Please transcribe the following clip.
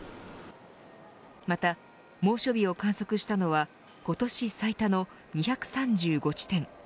また、猛暑日を観測したのは今年最多の２３５地点。